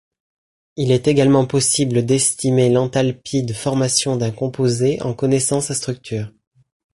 Il est également possible d'estimer l'enthalpie de formation d'un composé en connaissant sa structure.